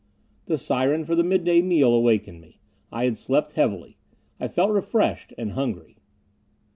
The siren for the mid day meal awakened me. I had slept heavily. I felt refreshed. And hungry.